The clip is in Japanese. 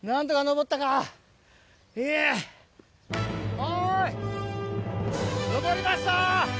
おい登りました！